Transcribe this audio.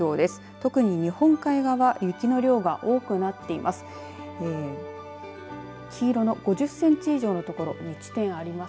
特に日本海側雪の量が多くなっています。